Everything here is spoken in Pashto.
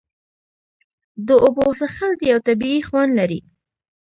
د اوبو څښل یو طبیعي خوند لري.